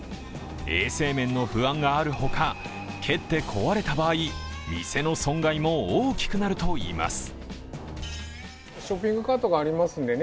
衛生面の不安があるほか、蹴って壊れた場合、店の損害も大きくなるといいます。